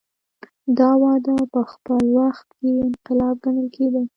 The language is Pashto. دا وده په خپل وخت کې انقلاب ګڼل کېده.